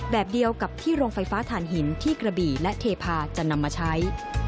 แบบเดียวกับที่โรงไฟฟ้าฐานหินที่กระบี่และเทพาจะนำมาใช้